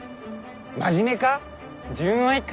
真面目か。